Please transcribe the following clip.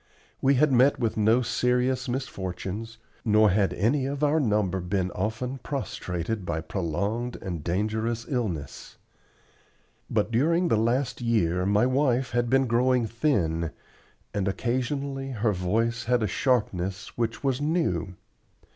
We had met with no serious misfortunes, nor had any of our number been often prostrated by prolonged and dangerous illness. But during the last year my wife had been growing thin, and occasionally her voice had a sharpness which was new.